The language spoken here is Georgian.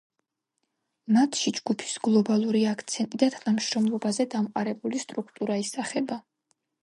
მათში ჯგუფის გლობალური აქცენტი და თანამშრომლობაზე დამყარებული სტრუქტურა ისახება.